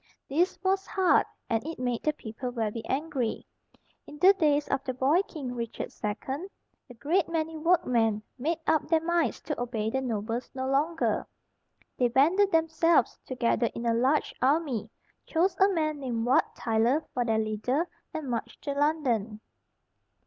This was hard, and it made the people very angry. In the days of the boy king Richard II, a great many workmen made up their minds to obey the nobles no longer. They banded themselves together in a large army, chose a man named Wat Tyler for their leader, and marched to London.